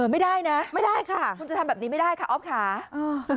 ไม่ได้นะคุณจะทำแบบนี้ไม่ได้ค่ะอ๊อฟค่ะไม่ได้ค่ะ